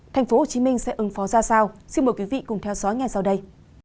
tp hcm sẽ ứng phó ra sao xin mời quý vị cùng theo dõi ngay sau đây